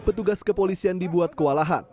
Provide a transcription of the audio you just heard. petugas kepolisian dibuat kewalahan